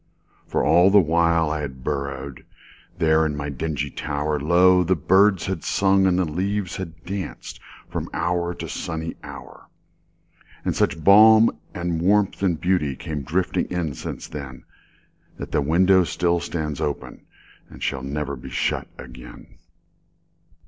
For all the while I had burrowedThere in my dingy tower, Lo! the birds had sung and the leaves had dancedFrom hour to sunny hour. And such balm and warmth and beautyCame drifting in since then, That the window still stands openAnd shall never be shut again.